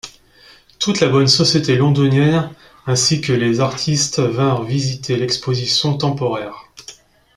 Toute la bonne société londonienne ainsi que les artistes vinrent visiter l'exposition temporaire.